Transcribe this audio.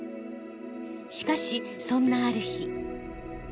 しかしそんなある日。